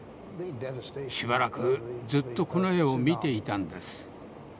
しばらくずっとこの絵を見ていたんです。